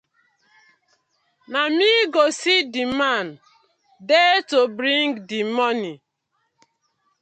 Na mi go see the man dey to bting dii moni.